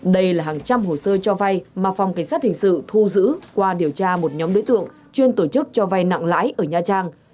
đây là hàng trăm hồ sơ cho vay mà phòng cảnh sát hình sự thu giữ qua điều tra một nhóm đối tượng chuyên tổ chức cho vay nặng lãi ở nha trang